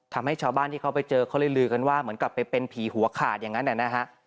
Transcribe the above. ทำให้ชาวบ้านที่เขาไปเจอเขาเลยลือกันว่าเหมือนกับไปเป็นผีหัวขาดอย่างนั้นนะฮะ